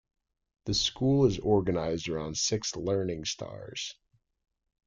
The school is organised around six Learning Stars.